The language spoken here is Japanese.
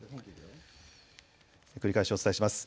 繰り返しお伝えします。